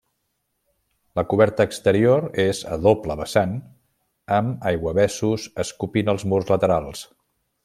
La coberta exterior és a doble vessant amb aiguavessos escopint als murs laterals.